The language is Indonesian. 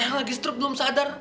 eh aku lagi stroke belum sadar